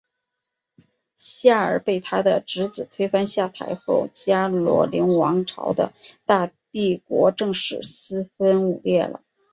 夏尔被他的侄子推翻下台后加洛林王朝的大帝国正式四分五裂了。